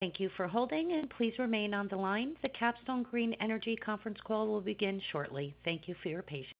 Thank you for holding, and please remain on the line. The Capstone Green Energy conference call will begin shortly. Thank you for your patience.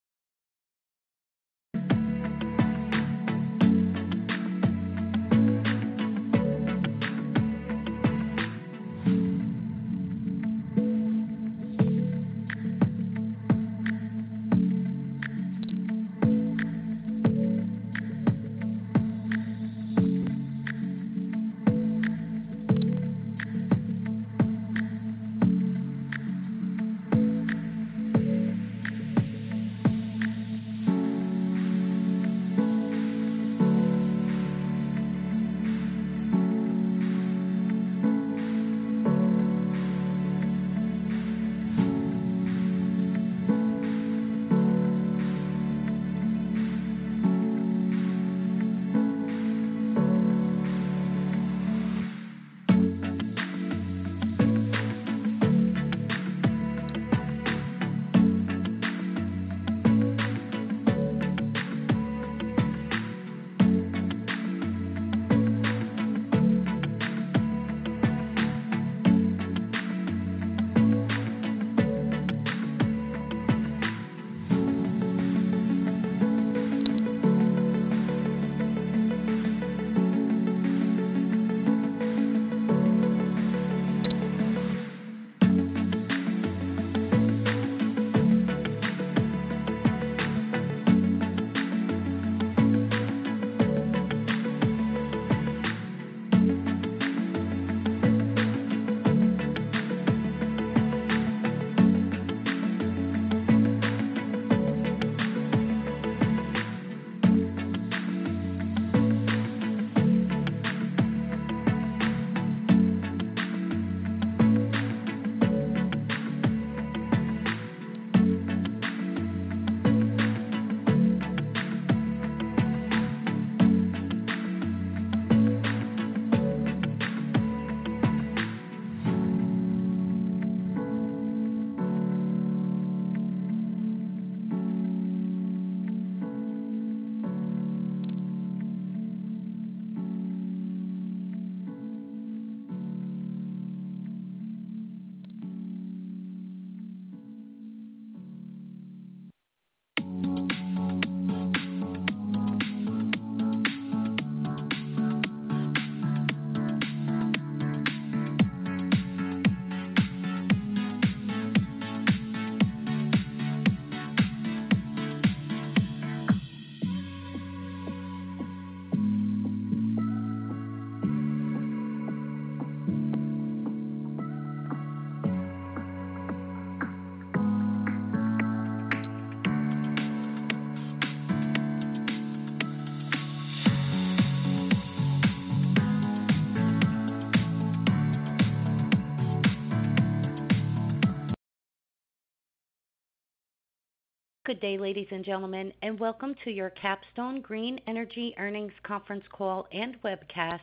Good day, ladies and gentlemen, and welcome to your Capstone Green Energy Earnings Conference Call and Webcast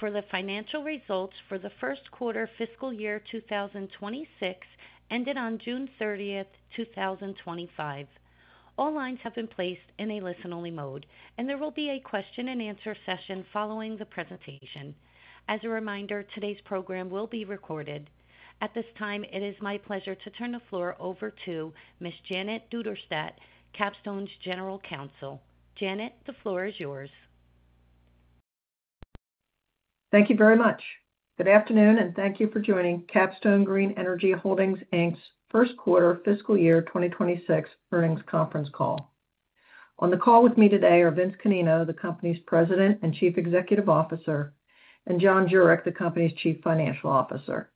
for the Financial Results for the First Quarter Fiscal Year 2026, ended on June 30, 2025. All lines have been placed in a listen-only mode, and there will be a question-and-answer session following the presentation. As a reminder, today's program will be recorded. At this time, it is my pleasure to turn the floor over to Ms. Janet Duderstadt, Capstone's General Counsel. Janet, the floor is yours. Thank you very much. Good afternoon, and thank you for joining Capstone Green Energy Holdings, Inc.'s First Quarter Fiscal Year 2026 Earnings Conference Call. On the call with me today are Vince Canino, the company's President and Chief Executive Officer, and John Juric, the company's Chief Financial Officer.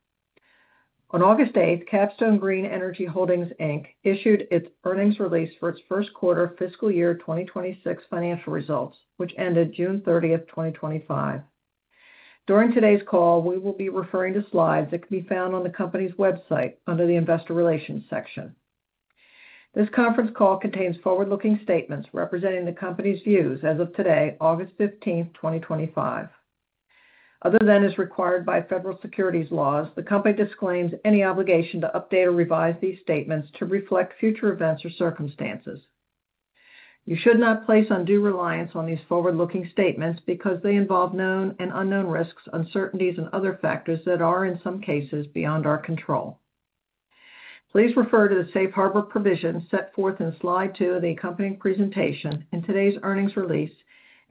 On August 8, Capstone Green Energy Holdings, Inc. issued its earnings release for its first quarter fiscal year 2026 financial results, which ended June 30, 2025. During today's call, we will be referring to slides that can be found on the company's website under the Investor Relations section. This conference call contains forward-looking statements representing the company's views as of today, August 15, 2025. Other than as required by federal securities laws, the company disclaims any obligation to update or revise these statements to reflect future events or circumstances. You should not place undue reliance on these forward-looking statements because they involve known and unknown risks, uncertainties, and other factors that are, in some cases, beyond our control. Please refer to the safe harbor provisions set forth in slide two of the accompanying presentation in today's earnings release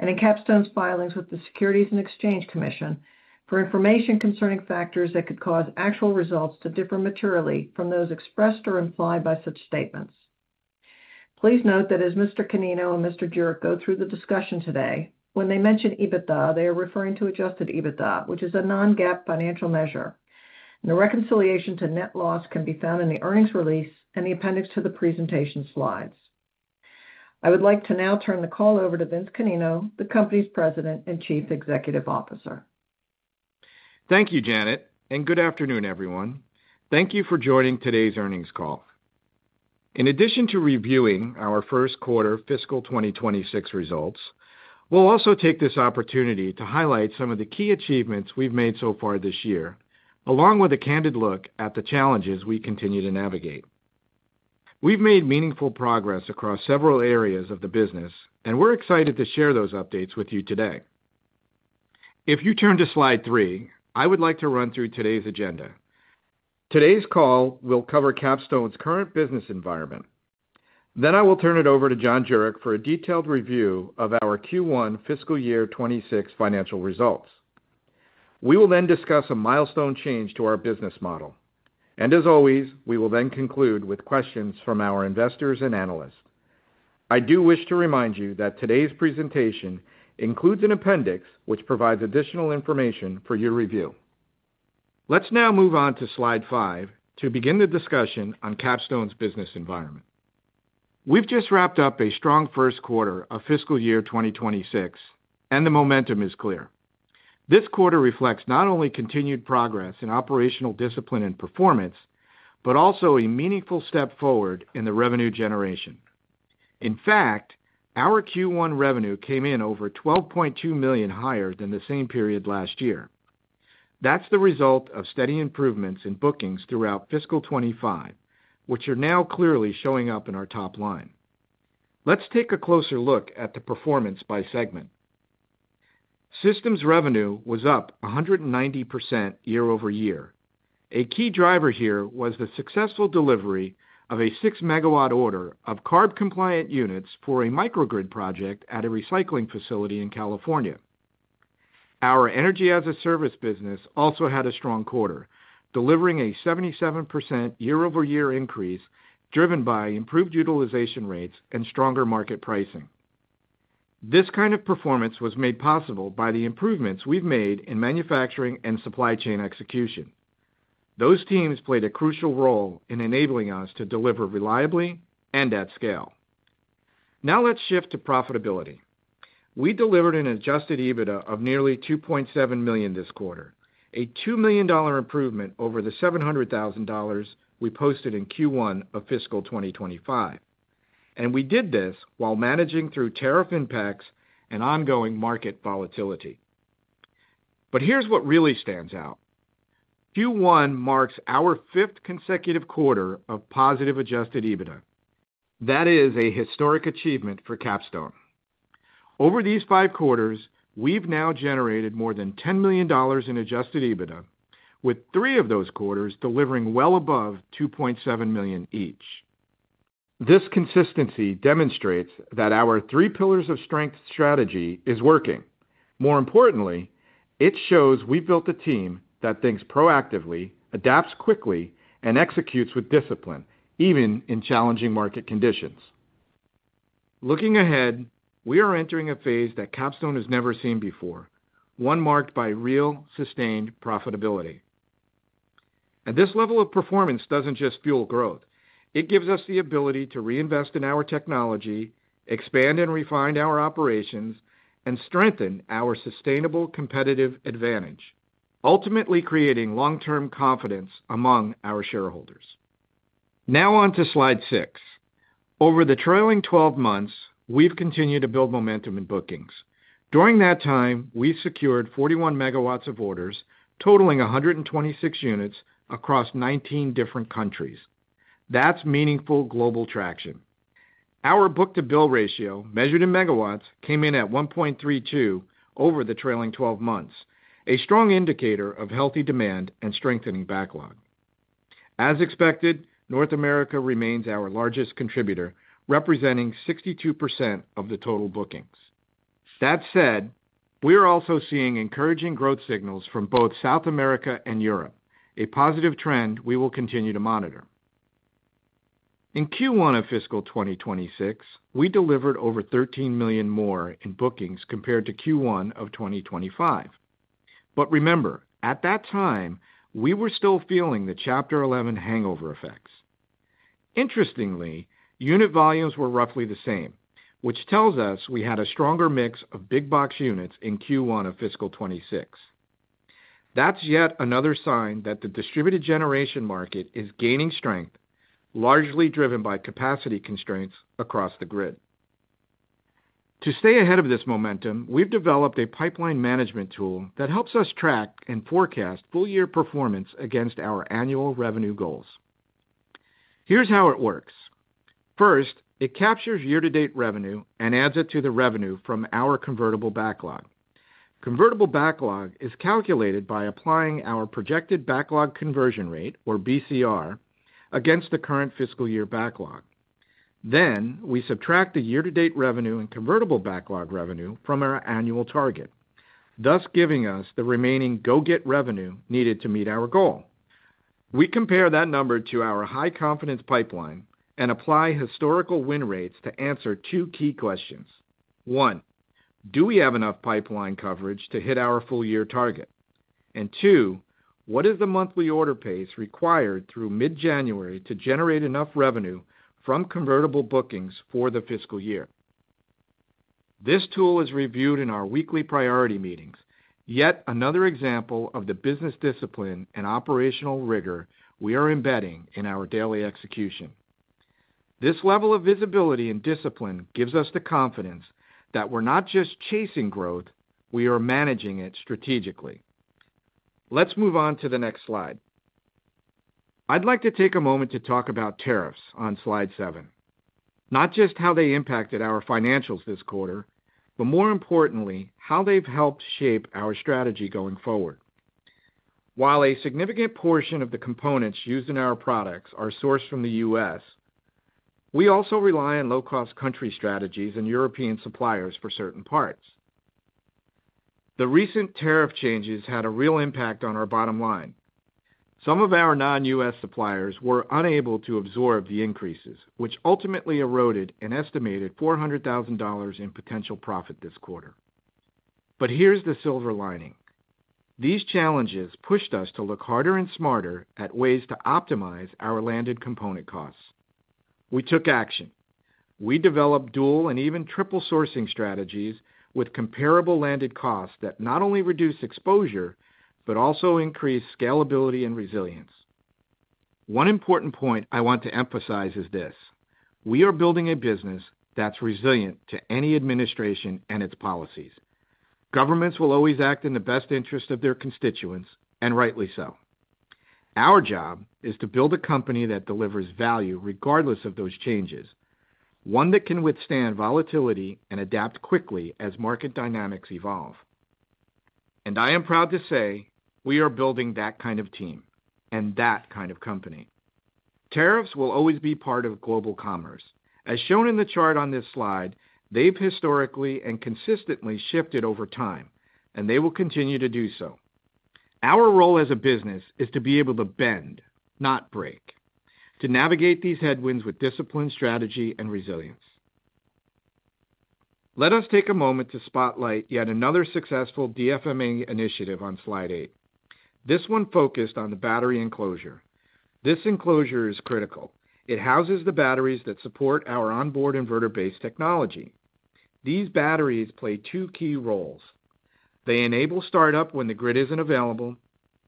and in Capstone's filings with the Securities and Exchange Commission for information concerning factors that could cause actual results to differ materially from those expressed or implied by such statements. Please note that as Mr. Canino and Mr. Juric go through the discussion today, when they mention EBITDA, they are referring to adjusted EBITDA, which is a non-GAAP financial measure. The reconciliation to net loss can be found in the earnings release and the appendix to the presentation slides. I would like to now turn the call over to Vince Canino, the company's President and Chief Executive Officer. Thank you, Janet, and good afternoon, everyone. Thank you for joining today's earnings call. In addition to reviewing our First Quarter Fiscal 2026 Results, we'll also take this opportunity to highlight some of the key achievements we've made so far this year, along with a candid look at the challenges we continue to navigate. We've made meaningful progress across several areas of the business, and we're excited to share those updates with you today. If you turn to slide three, I would like to run through today's agenda. Today's call will cover Capstone's current business environment. I will then turn it over to John Juric for a detailed review of our Q1 fiscal year 2026 financial results. We will then discuss a milestone change to our business model. As always, we will then conclude with questions from our investors and analysts. I do wish to remind you that today's presentation includes an appendix which provides additional information for your review. Let's now move on to slide five to begin the discussion on Capstone's business environment. We've just wrapped up a strong first quarter of fiscal year 2026, and the momentum is clear. This quarter reflects not only continued progress in operational discipline and performance, but also a meaningful step forward in the revenue generation. In fact, our Q1 revenue came in over $12.2 million higher than the same period last year. That's the result of steady improvements in bookings throughout fiscal 2025, which are now clearly showing up in our top line. Let's take a closer look at the performance by segment. Systems revenue was up 190% year-over-year. A key driver here was the successful delivery of a six-megawatt order of CARB-compliant units for a microgrid project at a recycling facility in California. Our Energy-as-a-Service business also had a strong quarter, delivering a 77% year-over-year increase driven by improved utilization rates and stronger market pricing. This kind of performance was made possible by the improvements we've made in manufacturing and supply chain execution. Those teams played a crucial role in enabling us to deliver reliably and at scale. Now let's shift to profitability. We delivered an adjusted EBITDA of nearly $2.7 million this quarter, a $2 million improvement over the $700,000 we posted in Q1 of fiscal 2025. We did this while managing through tariff impacts and ongoing market volatility. Here's what really stands out. Q1 marks our fifth consecutive quarter of positive adjusted EBITDA. That is a historic achievement for Capstone. Over these five quarters, we've now generated more than $10 million in adjusted EBITDA with three of those quarters delivering well above $2.7 million each. This consistency demonstrates that our three pillars of strength strategy is working. More importantly, it shows we've built a team that thinks proactively, adapts quickly, and executes with discipline, even in challenging market conditions. Looking ahead, we are entering a phase that Capstone has never seen before, one marked by real sustained profitability. This level of performance doesn't just fuel growth. It gives us the ability to reinvest in our technology, expand and refine our operations, and strengthen our sustainable competitive advantage, ultimately creating long-term confidence among our shareholders. Now on to slide six. Over the trailing 12 months, we've continued to build momentum in bookings. During that time, we've secured 41 MW of orders, totaling 126 units across 19 different countries. That's meaningful global traction. Our book-to-bill ratio, measured in megawatts, came in at 1.32 over the trailing 12 months, a strong indicator of healthy demand and strengthening backlog. As expected, North America remains our largest contributor, representing 62% of the total bookings. That said, we are also seeing encouraging growth signals from both South America and Europe, a positive trend we will continue to monitor. In Q1 of fiscal 2026, we delivered over $13 million more in bookings compared to Q1 of 2025. At that time, we were still feeling the Chapter 11 hangover effects. Interestingly, unit volumes were roughly the same, which tells us we had a stronger mix of big box units in Q1 of fiscal 2026. That's yet another sign that the distributed generation market is gaining strength, largely driven by capacity constraints across the grid. To stay ahead of this momentum, we've developed a pipeline management tool that helps us track and forecast full-year performance against our annual revenue goals. Here's how it works. First, it captures year-to-date revenue and adds it to the revenue from our convertible backlog. Convertible backlog is calculated by applying our projected backlog conversion rate, or BCR, against the current fiscal year backlog. We subtract the year-to-date revenue and convertible backlog revenue from our annual target, thus giving us the remaining go-get revenue needed to meet our goal. We compare that number to our high-confidence pipeline and apply historical win rates to answer two key questions. One, do we have enough pipeline coverage to hit our full-year target? Two, what is the monthly order pace required through mid-January to generate enough revenue from convertible bookings for the fiscal year? This tool is reviewed in our weekly priority meetings, yet another example of the business discipline and operational rigor we are embedding in our daily execution. This level of visibility and discipline gives us the confidence that we're not just chasing growth; we are managing it strategically. Let's move on to the next slide. I'd like to take a moment to talk about tariffs on slide seven. Not just how they impacted our financials this quarter, but more importantly, how they've helped shape our strategy going forward. While a significant portion of the components used in our products are sourced from the U.S., we also rely on low-cost country strategies and European suppliers for certain parts. The recent tariff changes had a real impact on our bottom line. Some of our non-U.S. suppliers were unable to absorb the increases, which ultimately eroded an estimated $400,000 in potential profit this quarter. Here's the silver lining. These challenges pushed us to look harder and smarter at ways to optimize our landed component costs. We took action. We developed dual and even triple sourcing strategies with comparable landed costs that not only reduce exposure, but also increase scalability and resilience. One important point I want to emphasize is this: we are building a business that's resilient to any administration and its policies. Governments will always act in the best interest of their constituents, and rightly so. Our job is to build a company that delivers value regardless of those changes, one that can withstand volatility and adapt quickly as market dynamics evolve. I am proud to say we are building that kind of team and that kind of company. Tariffs will always be part of global commerce. As shown in the chart on this slide, they've historically and consistently shifted over time, and they will continue to do so. Our role as a business is to be able to bend, not break, to navigate these headwinds with discipline, strategy, and resilience. Let us take a moment to spotlight yet another successful DFMA initiative on slide eight. This one focused on the battery enclosure. This enclosure is critical. It houses the batteries that support our onboard inverter-based technology. These batteries play two key roles. They enable startup when the grid isn't available,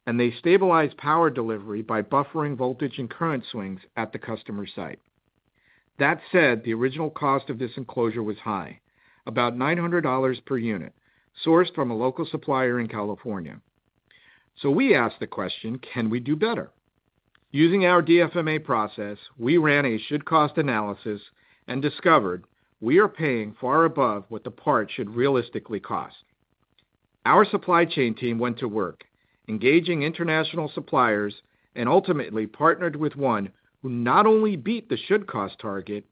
and they stabilize power delivery by buffering voltage and current swings at the customer site. That said, the original cost of this enclosure was high, about $900 per unit, sourced from a local supplier in California. We asked the question, can we do better? Using our DFMA process, we ran a should-cost analysis and discovered we are paying far above what the part should realistically cost. Our supply chain team went to work engaging international suppliers and ultimately partnered with one who not only beat the should-cost target,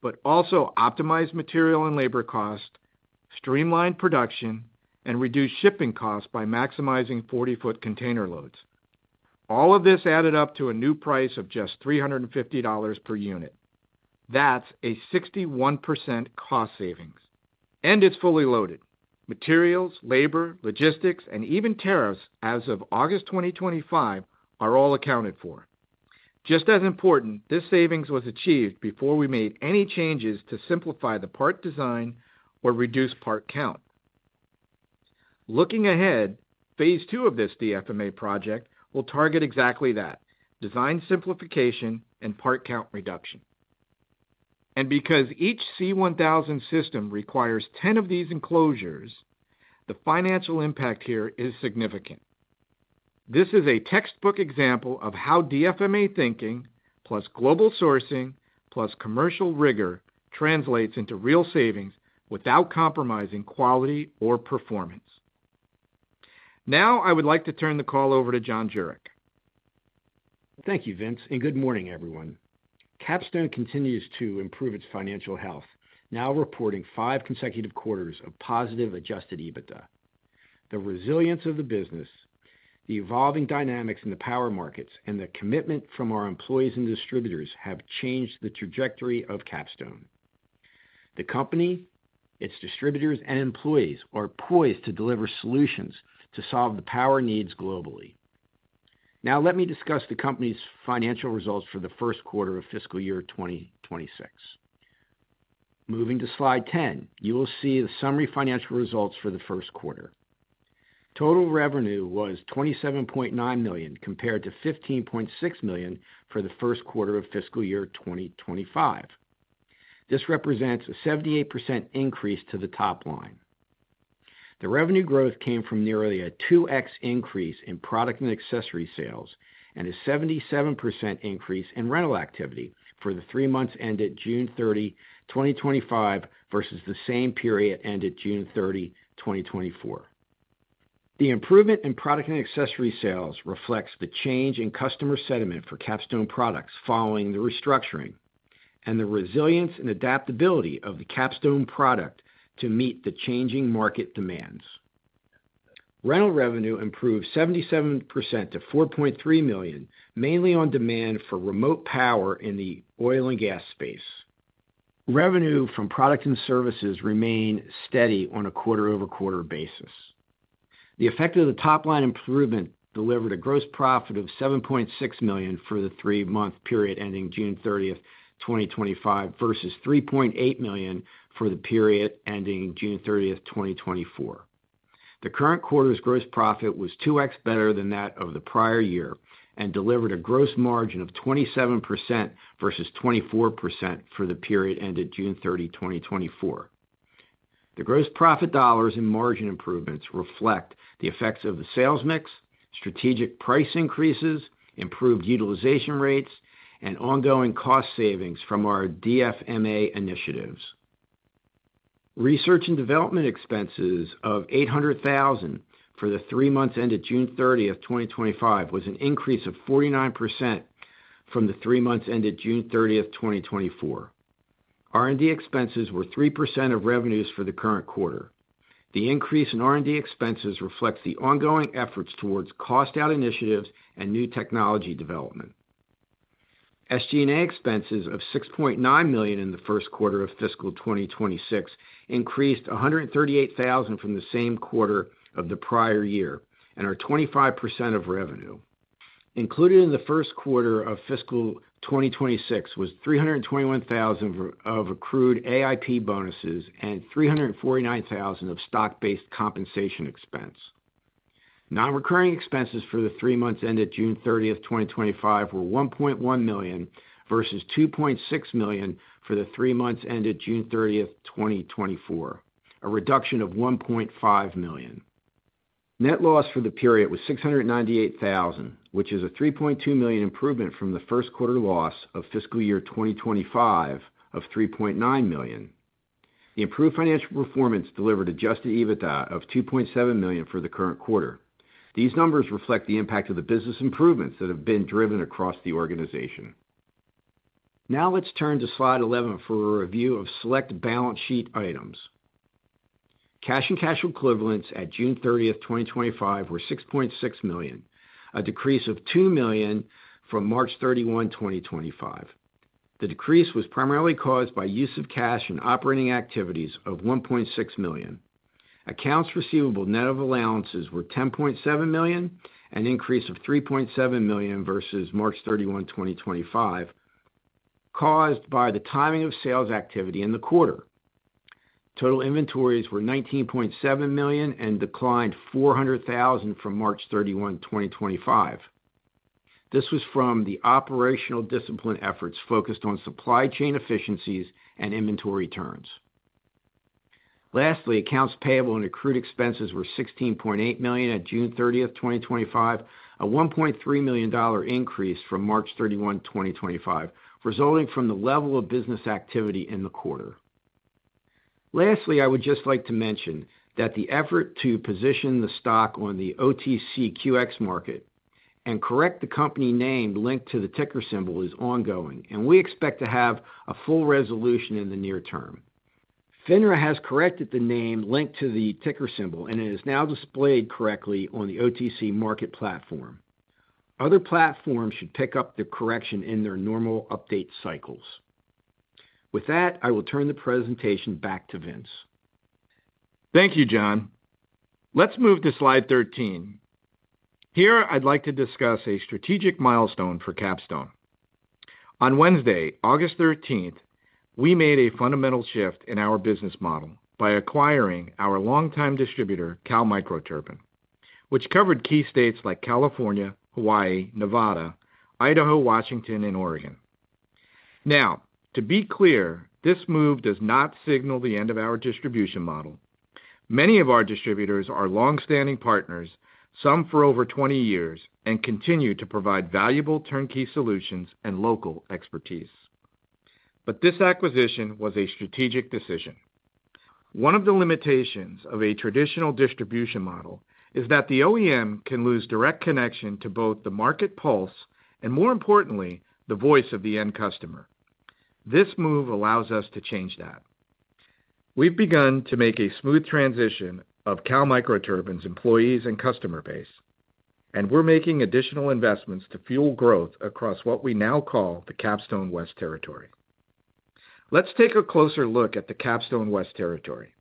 but also optimized material and labor costs, streamlined production, and reduced shipping costs by maximizing 40-foot container loads. All of this added up to a new price of just $350 per unit. That's a 61% cost savings. It's fully loaded. Materials, labor, logistics, and even tariffs as of August 2025 are all accounted for. Just as important, this savings was achieved before we made any changes to simplify the part design or reduce part count. Looking ahead, phase two of this DFMA project will target exactly that: design simplification and part count reduction. Because each C1000 system requires 10 of these enclosures, the financial impact here is significant. This is a textbook example of how DFMA thinking, plus global sourcing, plus commercial rigor, translates into real savings without compromising quality or performance. Now I would like to turn the call over to John Juric. Thank you, Vince, and good morning, everyone. Capstone continues to improve its financial health, now reporting five consecutive quarters of positive adjusted EBITDA. The resilience of the business, the evolving dynamics in the power markets, and the commitment from our employees and distributors have changed the trajectory of Capstone. The company, its distributors, and employees are poised to deliver solutions to solve the power needs globally. Now let me discuss the company's financial results for the first quarter of fiscal year 2026. Moving to slide 10, you will see the summary financial results for the first quarter. Total revenue was $27.9 million compared to $15.6 million for the first quarter of fiscal year 2025. This represents a 78% increase to the top line. The revenue growth came from nearly a 2x increase in product and accessory sales and a 77% increase in rental activity for the three months ended June 30, 2025 versus the same period ended June 30, 2024. The improvement in product and accessory sales reflects the change in customer sentiment for Capstone products following the restructuring and the resilience and adaptability of the Capstone product to meet the changing market demands. Rental revenue improved 77% to $4.3 million, mainly on demand for remote power in the oil and gas space. Revenue from products and services remained steady on a quarter-over-quarter basis. The effect of the top-line improvement delivered a gross profit of $7.6 million for the three-month period ending June 30, 2025 versus $3.8 million for the period ending June 30, 2024. The current quarter's gross profit was 2x better than that of the prior year and delivered a gross margin of 27% versus 24% for the period ended June 30, 2024. The gross profit dollars and margin improvements reflect the effects of the sales mix, strategic price increases, improved utilization rates, and ongoing cost savings from our DFMA initiatives. Research and development expenses of $800,000 for the three months ended June 30, 2025 was an increase of 49% from the three months ended June 30, 2024. R&D expenses were 3% of revenues for the current quarter. The increase in R&D expenses reflects the ongoing efforts towards cost-out initiatives and new technology development. SG&A expenses of $6.9 million in the first quarter of fiscal 2026 increased $138,000 from the same quarter of the prior year and are 25% of revenue. Included in the first quarter of fiscal 2026 was $321,000 of accrued AIP bonuses and $349,000 of stock-based compensation expense. Non-recurring expenses for the three months ended June 30, 2025 were $1.1 million versus $2.6 million for the three months ended June 30, 2024, a reduction of $1.5 million. Net loss for the period was $698,000, which is a $3.2 million improvement from the first quarter loss of fiscal year 2025 of $3.9 million. The improved financial performance delivered adjusted EBITDA of $2.7 million for the current quarter. These numbers reflect the impact of the business improvements that have been driven across the organization. Now let's turn to slide 11 for a review of select balance sheet items. Cash and cash equivalents at June 30, 2025 were $6.6 million, a decrease of $2 million from March 31, 2025. The decrease was primarily caused by use of cash in operating activities of $1.6 million. Accounts receivable net of allowances were $10.7 million, an increase of $3.7 million versus March 31, 2025, caused by the timing of sales activity in the quarter. Total inventories were $19.7 million and declined $400,000 from March 31, 2025. This was from the operational discipline efforts focused on supply chain efficiencies and inventory turns. Lastly, accounts payable and accrued expenses were $16.8 million at June 30, 2025, a $1.3 million increase from March 31, 2025, resulting from the level of business activity in the quarter. I would just like to mention that the effort to position the stock on the OTC QX market and correct the company name linked to the ticker symbol is ongoing, and we expect to have a full resolution in the near term. FINRA has corrected the name linked to the ticker symbol, and it is now displayed correctly on the OTC market platform. Other platforms should pick up the correction in their normal update cycles. With that, I will turn the presentation back to Vince. Thank you, John. Let's move to slide 13. Here I'd like to discuss a strategic milestone for Capstone. On Wednesday, August 13th, we made a fundamental shift in our business model by acquiring our long-time distributor, Cal Microturbine, which covered key states like California, Hawaii, Nevada, Idaho, Washington, and Oregon. Now, to be clear, this move does not signal the end of our distribution model. Many of our distributors are longstanding partners, some for over 20 years, and continue to provide valuable turnkey solutions and local expertise. This acquisition was a strategic decision. One of the limitations of a traditional distribution model is that the OEM can lose direct connection to both the market pulse and, more importantly, the voice of the end customer. This move allows us to change that. We've begun to make a smooth transition of Cal Microturbine's employees and customer base, and we're making additional investments to fuel growth across what we now call the Capstone West Territory. Let's take a closer look at the Capstone West Territory.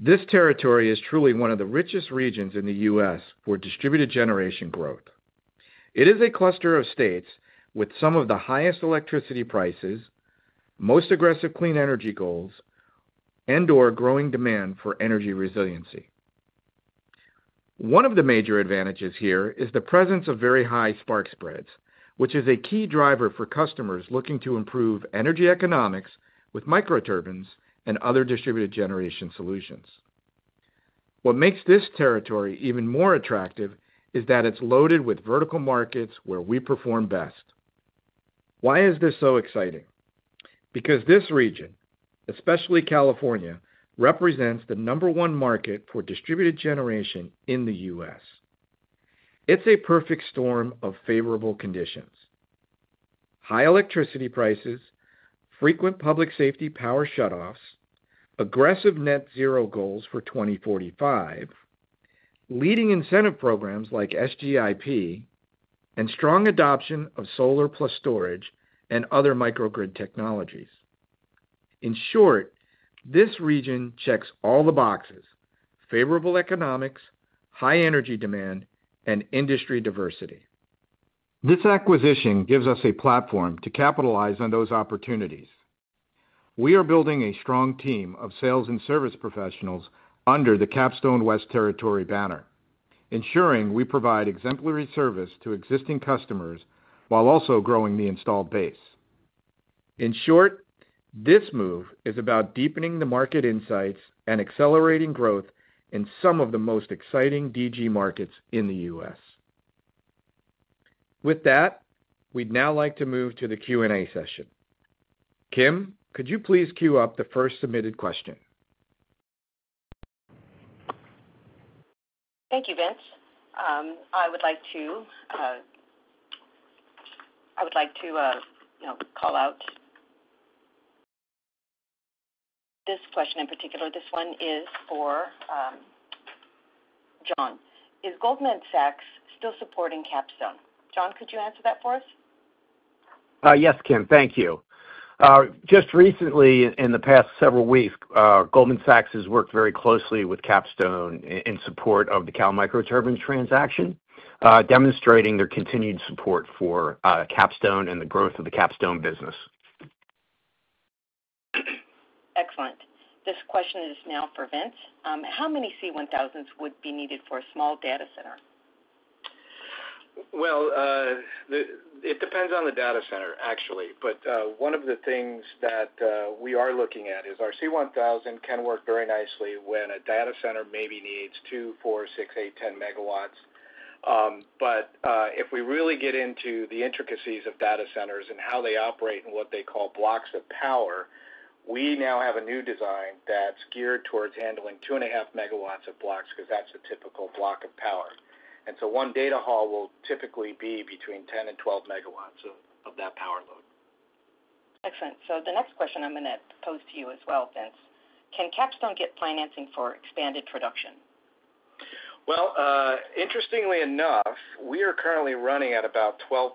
This territory is truly one of the richest regions in the U.S. for distributed generation growth. It is a cluster of states with some of the highest electricity prices, most aggressive clean energy goals, and/or growing demand for energy resiliency. One of the major advantages here is the presence of very high spark spreads, which is a key driver for customers looking to improve energy economics with microturbines and other distributed generation solutions. What makes this territory even more attractive is that it's loaded with vertical markets where we perform best. Why is this so exciting? Because this region, especially California, represents the number one market for distributed generation in the U.S. It's a perfect storm of favorable conditions: high electricity prices, frequent public safety power shutoffs, aggressive net zero goals for 2045, leading incentive programs like SGIP, and strong adoption of solar plus storage and other microgrid technologies. In short, this region checks all the boxes: favorable economics, high energy demand, and industry diversity. This acquisition gives us a platform to capitalize on those opportunities. We are building a strong team of sales and service professionals under the Capstone West Territory banner, ensuring we provide exemplary service to existing customers while also growing the installed base. In short, this move is about deepening the market insights and accelerating growth in some of the most exciting DG markets in the U.S. With that, we'd now like to move to the Q&A session. Kim, could you please queue up the first submitted question? Thank you, Vince. I would like to call out this question in particular. This one is for John. Is Goldman Sachs still supporting Capstone? John, could you answer that for us? Yes, Kim. Thank you. Just recently, in the past several weeks, Goldman Sachs has worked very closely with Capstone in support of the Cal Microturbine transaction, demonstrating their continued support for Capstone and the growth of the Capstone business. Excellent. This question is now for Vince. How many C1000s would be needed for a small data center? It depends on the data center, actually. One of the things that we are looking at is our C1000 can work very nicely when a data center maybe needs 2 MW, 4 MW, 6 MW, 8 MW, 10 MW. If we really get into the intricacies of data centers and how they operate and what they call blocks of power, we now have a new design that's geared towards handling 2.5 MW of blocks because that's a typical block of power. One data hall will typically be between 10 MW and 12 MW of that power load. Excellent. The next question I'm going to pose to you as well, Vince. Can Capstone get financing for expanded production? Interestingly enough, we are currently running at about 12%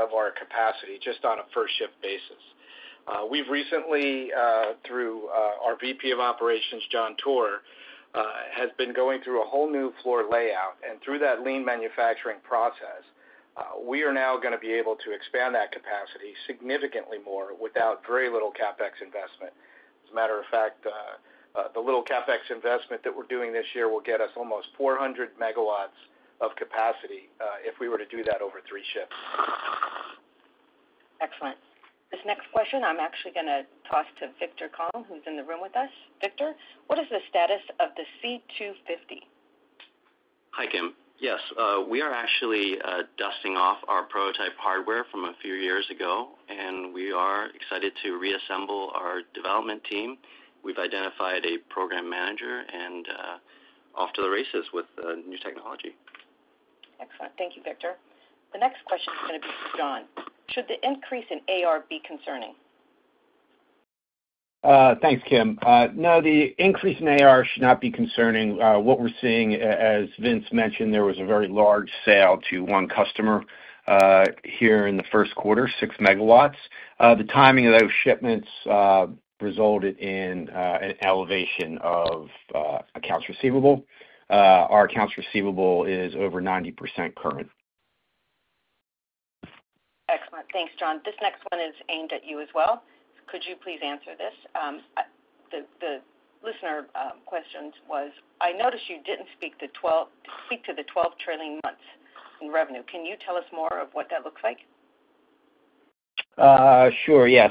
of our capacity just on a first-shift basis. We've recently, through our VP of Operations, John Toor, been going through a whole new floor layout. Through that lean manufacturing process, we are now going to be able to expand that capacity significantly more without very little CapEx investment. As a matter of fact, the little CapEx investment that we're doing this year will get us almost 400 MW of capacity if we were to do that over three shifts. Excellent. This next question, I'm actually going to toss to Victor Kong, who's in the room with us. Victor, what is the status of the C250? Hi, Kim. Yes, we are actually dusting off our prototype hardware from a few years ago, and we are excited to reassemble our development team. We've identified a Program Manager and are off to the races with the new technology. Excellent. Thank you, Victor. The next question is going to be for John. Should the increase in AR be concerning? Thanks, Kim. No, the increase in AR should not be concerning. What we're seeing, as Vince mentioned, there was a very large sale to one customer here in the first quarter, 6 MW. The timing of those shipments resulted in an elevation of accounts receivable. Our accounts receivable is over 90% current. Excellent. Thanks, John. This next one is aimed at you as well. Could you please answer this? The listener question was, I noticed you didn't speak to the 12 trailing months in revenue. Can you tell us more of what that looks like? Sure, yes.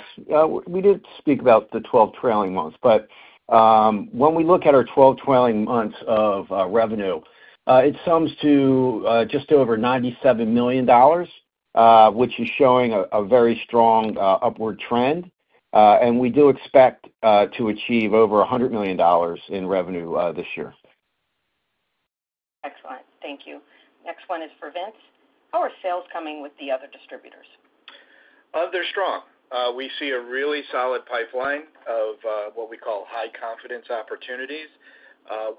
We did speak about the 12 trailing months, but when we look at our 12 trailing months of revenue, it sums to just over $97 million, which is showing a very strong upward trend. We do expect to achieve over $100 million in revenue this year. Excellent. Thank you. Next one is for Vince. How are sales coming with the other distributors? They're strong. We see a really solid pipeline of what we call high-confidence opportunities.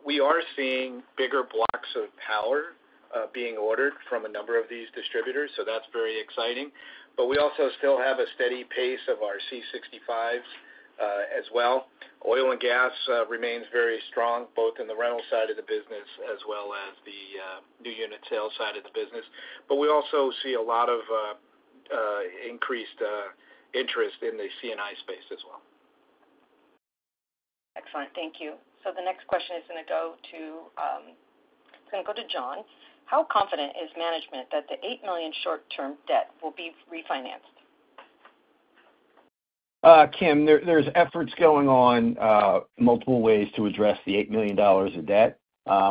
We are seeing bigger blocks of power being ordered from a number of these distributors, so that's very exciting. We also still have a steady pace of our C65s as well. Oil and gas remains very strong, both in the rental side of the business as well as the new unit sales side of the business. We also see a lot of increased interest in the C&I space as well. Excellent. Thank you. The next question is going to go to John. How confident is management that the $8 million short-term debt will be refinanced? Kim, there's efforts going on, multiple ways to address the $8 million of debt.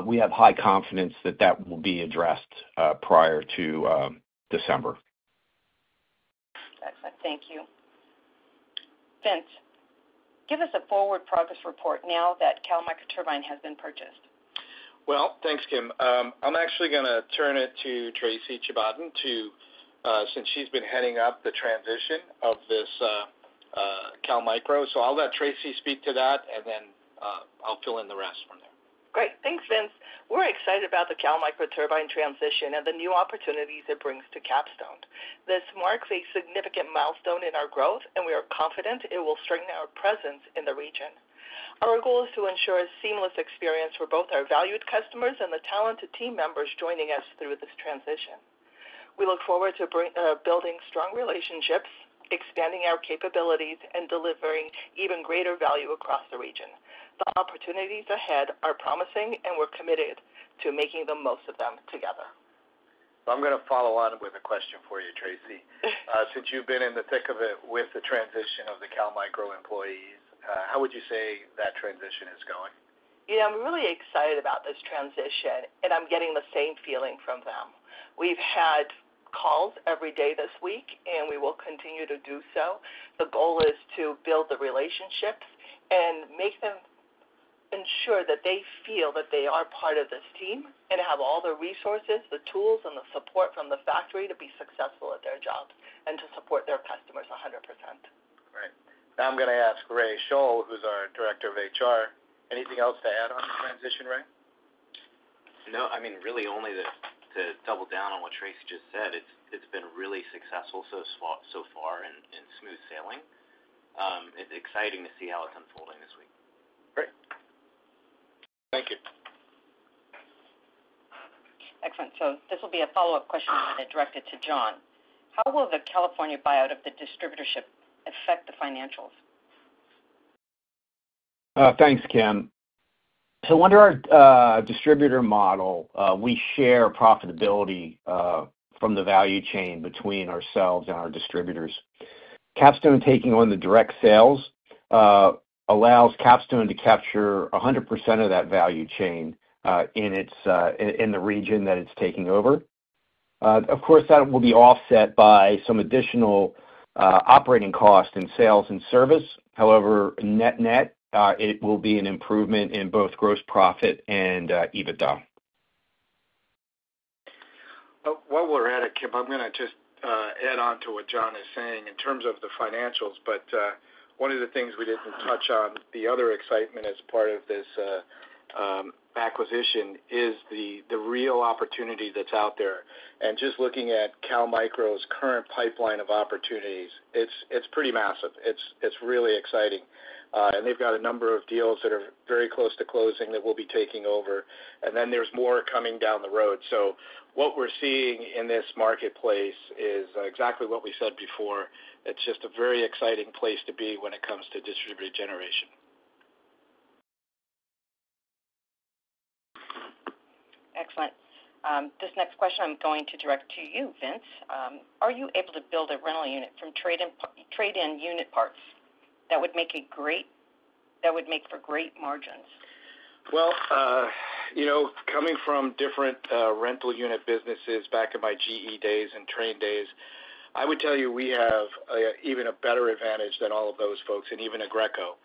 We have high confidence that that will be addressed prior to December. Excellent. Thank you. Vince, give us a forward progress report now that Cal Microturbine has been purchased. Thanks, Kim. I'm actually going to turn it to Tracy Chidbachian since she's been heading up the transition of this Cal Micro. I'll let Tracy speak to that, and then I'll fill in the rest from there. Great. Thanks, Vince. We're excited about the Cal Microturbine transition and the new opportunities it brings to Capstone. This marks a significant milestone in our growth, and we are confident it will strengthen our presence in the region. Our goal is to ensure a seamless experience for both our valued customers and the talented team members joining us through this transition. We look forward to building strong relationships, expanding our capabilities, and delivering even greater value across the region. The opportunities ahead are promising, and we're committed to making the most of them together. I'm going to follow on with a question for you, Tracy. Since you've been in the thick of it with the transition of the Cal Micro employees, how would you say that transition is going? Yeah, I'm really excited about this transition, and I'm getting the same feeling from them. We've had calls every day this week, and we will continue to do so. The goal is to build the relationships and make them ensure that they feel that they are part of this team and have all the resources, the tools, and the support from the factory to be successful at their job and to support their customers 100%. Great. Now I'm going to ask Ray Scholl, who's our Director of HR, anything else to add on the transition, Ray? No, I mean, really only to double down on what Tracy just said. It's been really successful so far and smooth sailing. It's exciting to see how it's unfolding this week. Great. Thank you. Excellent. This will be a follow-up question, and I'm going to direct it to John. How will the California buyout of the distributorship affect the financials? Thanks, Kim. Under our distributor model, we share profitability from the value chain between ourselves and our distributors. Capstone taking on the direct sales allows Capstone to capture 100% of that value chain in the region that it's taking over. Of course, that will be offset by some additional operating costs in sales and service. However, net-net, it will be an improvement in both gross profit and EBITDA. Kim, I'm going to just add on to what John is saying in terms of the financials. One of the things we didn't touch on, the other excitement as part of this acquisition is the real opportunity that's out there. Just looking at Cal Micro's current pipeline of opportunities, it's pretty massive. It's really exciting. They've got a number of deals that are very close to closing that we'll be taking over. There's more coming down the road. What we're seeing in this marketplace is exactly what we said before. It's just a very exciting place to be when it comes to distributed generation. Excellent. This next question I'm going to direct to you, Vince. Are you able to build a rental unit from trade-in unit parts that would make a great margin? Coming from different rental unit businesses back in my GE days and Trane days, I would tell you we have even a better advantage than all of those folks and even Aggreko.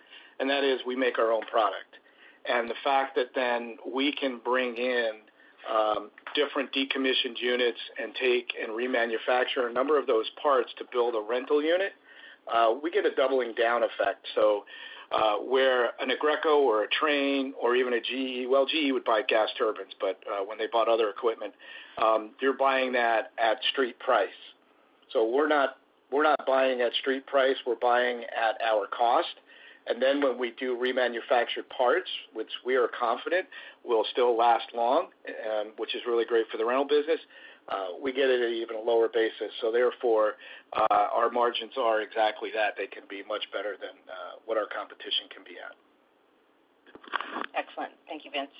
That is, we make our own product. The fact that we can bring in different decommissioned units and take and remanufacture a number of those parts to build a rental unit, we get a doubling down effect. Where an Aggreko or a Trane or even a GE, well, GE would buy gas turbines, but when they bought other equipment, you're buying that at street price. We're not buying at street price. We're buying at our cost. When we do remanufactured parts, which we are confident will still last long, which is really great for the rental business, we get it at even a lower basis. Therefore, our margins are exactly that. They can be much better than what our competition can be at. Excellent. Thank you, Vince.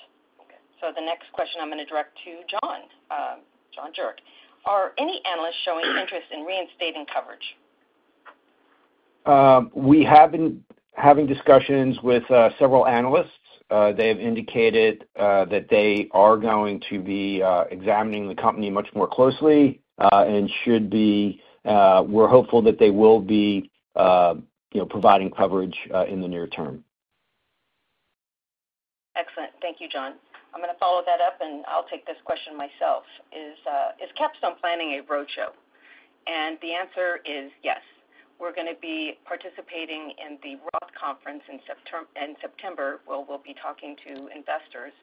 The next question I'm going to direct to John. John Juric, are any analysts showing interest in reinstating coverage? We have been having discussions with several analysts. They have indicated that they are going to be examining the company much more closely and should be. We're hopeful that they will be providing coverage in the near term. Excellent. Thank you, John. I'm going to follow that up, and I'll take this question myself. Is Capstone planning a roadshow? The answer is yes. We're going to be participating in the Roth Conference in September, where we'll be talking to investors.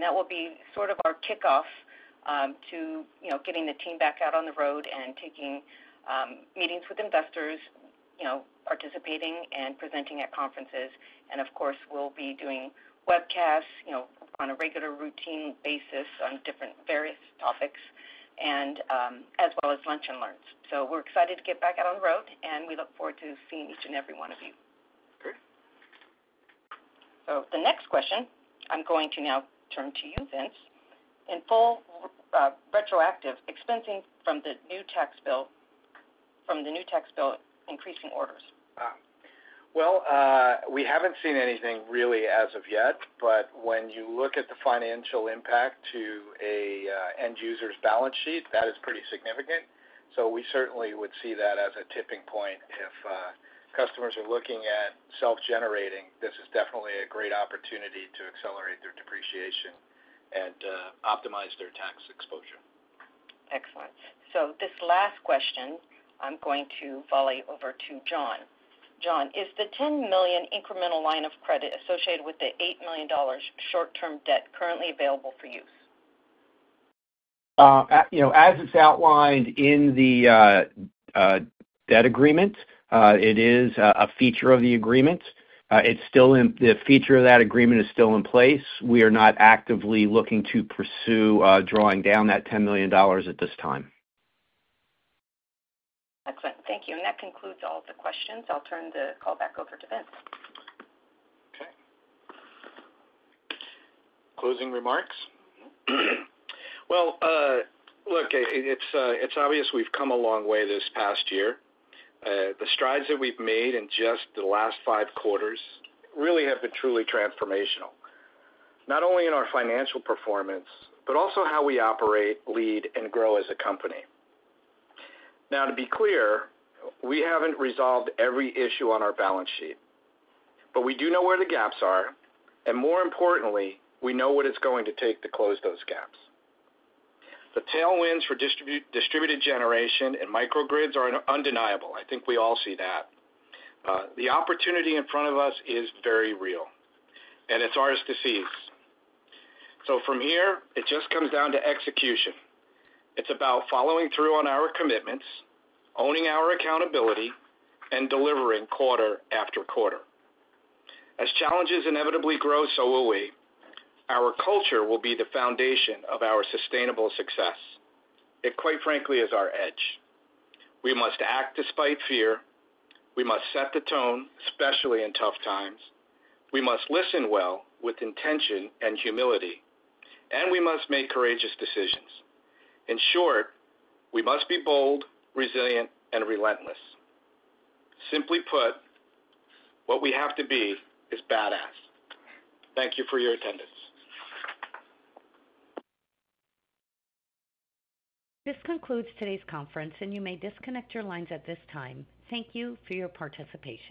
That will be sort of our kickoff to getting the team back out on the road and taking meetings with investors, participating and presenting at conferences. Of course, we'll be doing webcasts on a regular routine basis on different various topics, as well as lunch and learns. We're excited to get back out on the road, and we look forward to seeing each and every one of you. Great. The next question, I'm going to now turn to you, Vince. In full retroactive expensing from the new tax bill, increasing orders? We haven't seen anything really as of yet, but when you look at the financial impact to an end user's balance sheet, that is pretty significant. We certainly would see that as a tipping point. If customers are looking at self-generating, this is definitely a great opportunity to accelerate their depreciation and optimize their tax exposure. Excellent. This last question, I'm going to volley over to John. John, is the $10 million incremental line of credit associated with the $8 million short-term debt currently available for use? As it's outlined in the debt agreement, it is a feature of the agreement. The feature of that agreement is still in place. We are not actively looking to pursue drawing down that $10 million at this time. Excellent. Thank you. That concludes all of the questions. I'll turn the call back over to Vince. Closing remarks? Look, it's obvious we've come a long way this past year. The strides that we've made in just the last five quarters really have been truly transformational, not only in our financial performance, but also how we operate, lead, and grow as a company. To be clear, we haven't resolved every issue on our balance sheet, but we do know where the gaps are, and more importantly, we know what it's going to take to close those gaps. The tailwinds for distributed generation and microgrids are undeniable. I think we all see that. The opportunity in front of us is very real, and it's ours to seize. From here, it just comes down to execution. It's about following through on our commitments, owning our accountability, and delivering quarter after quarter. As challenges inevitably grow, so will we. Our culture will be the foundation of our sustainable success.It quite frankly is our edge. We must act despite fear. We must set the tone, especially in tough times. We must listen well with intention and humility, and we must make courageous decisions. In short, we must be bold, resilient, and relentless. Simply put, what we have to be is badass. Thank you for your attendance. This concludes today's conference, and you may disconnect your lines at this time. Thank you for your participation.